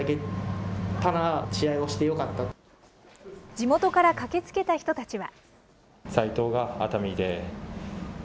地元から駆けつけた人たちは。